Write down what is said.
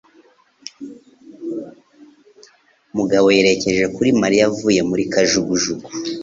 Mugabo yerekeje kuri Mariya avuye muri kajugujugu.